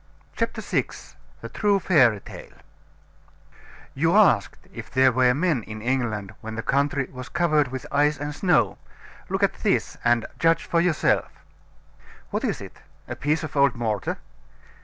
CHAPTER VI THE TRUE FAIRY TALE You asked if there were men in England when the country was covered with ice and snow. Look at this, and judge for yourself. What is it? a piece of old mortar?